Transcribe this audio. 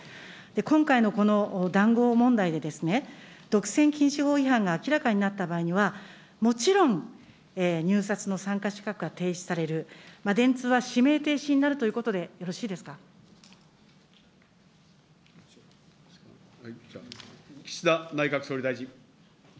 今回のこの談合問題で、独占禁止法違反が明らかになった場合には、もちろん、入札の参加資格は停止される、電通は指名停止になるということで岸田内閣総理大臣。